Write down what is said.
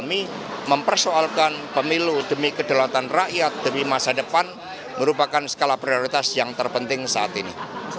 demi mempersoalkan pemilu demi kedaulatan rakyat demi masa depan merupakan skala prioritas yang terpenting saat ini